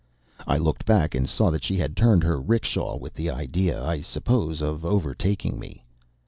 I looked back, and saw that she had turned her 'rickshaw with the idea, I suppose, of overtaking me.